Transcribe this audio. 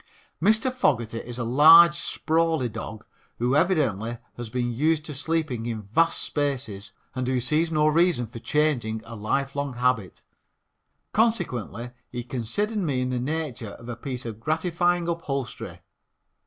Mr. Fogerty is a large, sprawly dog, who evidently has been used to sleeping in vast spaces and who sees no reason for changing a lifelong habit. Consequently he considered me in the nature of a piece of gratifying upholstery.